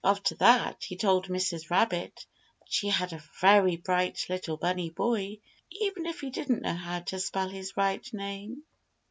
After that he told Mrs. Rabbit that she had a very bright little bunny boy even if he didn't know how to spell his right name.